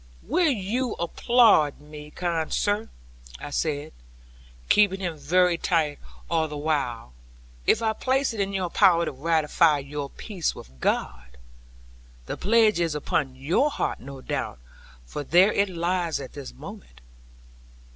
'Will you applaud me, kind sir,' I said, keeping him very tight, all the while, 'if I place it in your power to ratify your peace with God? The pledge is upon your heart, no doubt, for there it lies at this moment.'